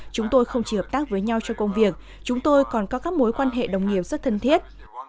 chúng tôi không chỉ hợp tác với nhau cho công việc chúng tôi còn có các mối quan hệ đồng nghiệp rất thân thiết